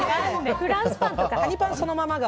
フランスパンとか。